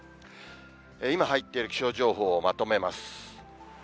今入っている気象情報をまとめます。